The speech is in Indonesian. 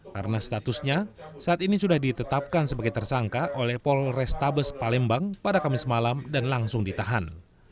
karena statusnya saat ini sudah ditetapkan sebagai tersangka oleh pol restabes palembang pada kamis malam dan langsung ditahan